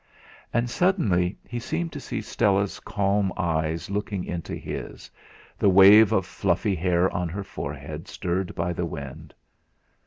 And suddenly he seemed to see Stella's calm eyes looking into his, the wave of fluffy hair on her forehead stirred by the wind.